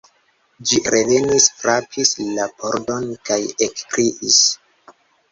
Ĝi revenis, frapis la pordon kaj ekkriis.